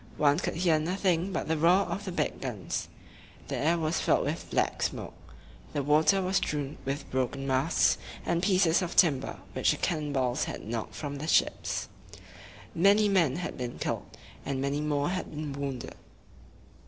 One could hear nothing but the roar of the big guns. The air was filled with black smoke. The water was strewn with broken masts and pieces of timber which the cannon balls had knocked from the ships. Many men had been killed, and many more had been wounded.